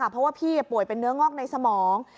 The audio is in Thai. เพราะว่าพี่ป่วยเป็นเนื้องอกในสมอง